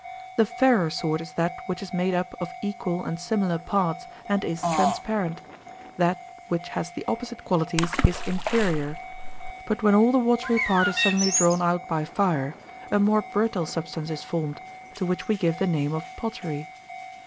The fairer sort is that which is made up of equal and similar parts and is transparent; that which has the opposite qualities is inferior. But when all the watery part is suddenly drawn out by fire, a more brittle substance is formed, to which we give the name of pottery.